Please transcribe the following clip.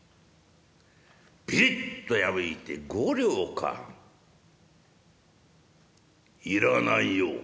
ピリッと破いて「五両か要らないよ」。